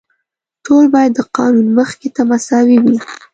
ټول باید د قانون مخې ته مساوي وي.